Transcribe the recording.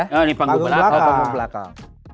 nah ini panggung belakang